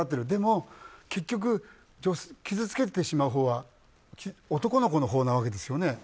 でも結局、傷つけてしまうほうは男の子のほうなわけですね。